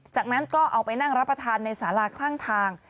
จากนั้นก็เอาไปนั่งรับประทานในสาราข้างทาง